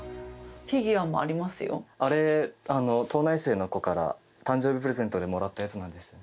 あっ、あれ、島内生の子から誕生日プレゼントでもらったやつなんですよ。